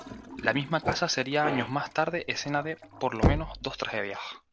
La misma casa sería años más tarde escena de, por lo menos, dos tragedias.